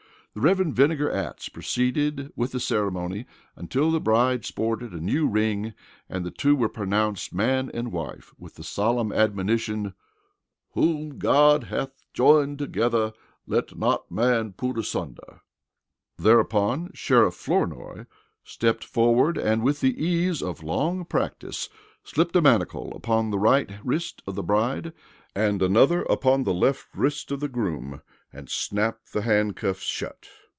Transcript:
The Rev. Vinegar Atts proceeded with the ceremony until the bride sported a new ring and the two were pronounced man and wife with the solemn admonition: "Whom God hath joined together, let not man put asunder!" Thereupon Sheriff Flournoy stepped forward and with the ease of long practice slipped a manacle upon the right wrist of the bride and another upon the left wrist of the groom and snapped the handcuffs shut.